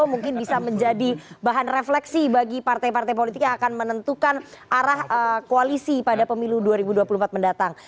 mungkin bisa menjadi bahan refleksi bagi partai partai politik yang akan menentukan arah koalisi pada pemilu dua ribu dua puluh empat mendatang